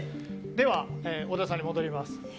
では、小田さんに戻ります。